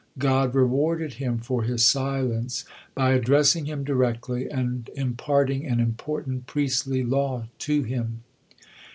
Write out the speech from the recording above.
God rewarded him for his silence by addressing him directly, and imparting an important priestly law to him.